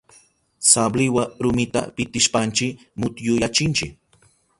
Sabliwa rumita pitishpanchi mutyuyachinchi.